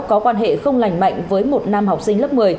có quan hệ không lành mạnh với một nam học sinh lớp một mươi